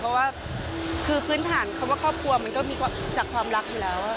เพราะว่าคือพื้นฐานคำว่าครอบครัวมันก็มีจากความรักอยู่แล้ว